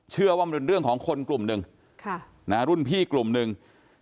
เชื่อว่ามันเป็นเรื่องของคนกลุ่มหนึ่งรุ่นพี่กลุ่มหนึ่ง